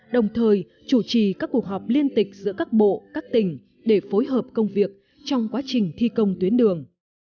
đồng thời chủ trì các cuộc họp liên tịch giữa các bộ các tỉnh để phối hợp công việc trong quá trình thi công tuyến đường